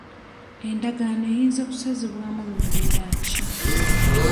Endagaano eyinza kusazibwamu mu mbeera ki?